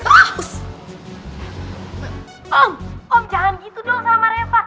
oh om jangan gitu dong sama reva